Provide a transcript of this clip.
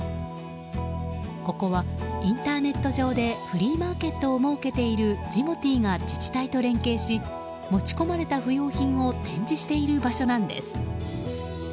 ここはインターネット上でフリーマーケットを設けているジモティーが自治体と連携し持ち込まれた不要品を展示している場所なんです。